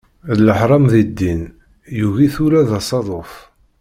D leḥram di ddin, yugi-t ula d asaḍuf.